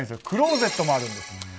クローゼットもあるんです。